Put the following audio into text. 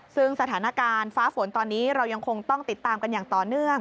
ซึ่งสถานการณ์ฟ้าฝนตอนนี้เรายังคงต้องติดตามกันอย่างต่อเนื่อง